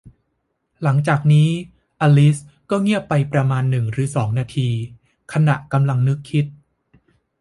หลังจากนี้ อลิซก็เงียบไปประมาณหนึ่งหรือสองนาที ขณะกำลังนึกคิด